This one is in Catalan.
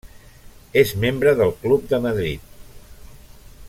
És membre del Club de Madrid.